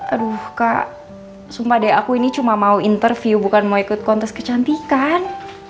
aduh kak sumpah deh aku ini cuma mau interview bukan mau ikut kontes kecantikan